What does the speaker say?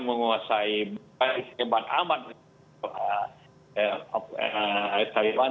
menguasai bukan kebantuan amat dari taliban